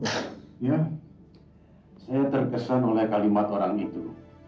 ya saya terkesan oleh kalimat orang itu